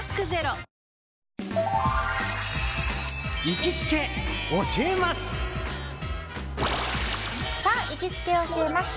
行きつけ教えます！